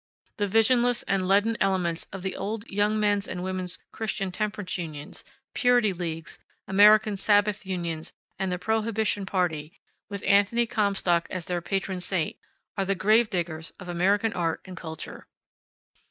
The visionless and leaden elements of the old Young Men's and Women's Christian Temperance Unions, Purity Leagues, American Sabbath Unions, and the Prohibition Party, with Anthony Comstock as their patron saint, are the grave diggers of American art and culture.